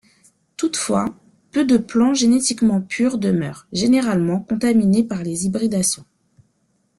Toutefois, peu de plants génétiquement purs demeurent, généralement contaminés par des hybridations.